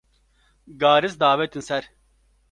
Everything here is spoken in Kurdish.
garis davêtin ser